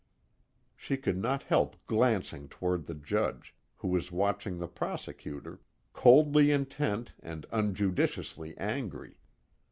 She could not help glancing toward the Judge, who was watching the prosecutor, coldly intent and unjudicially angry.